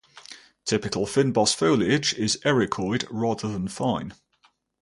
Typical fynbos foliage is ericoid rather than fine.